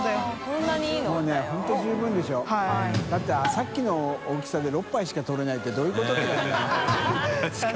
さっきの大きさで６杯しか取れないって匹ΔいΔ海箸辰憧兇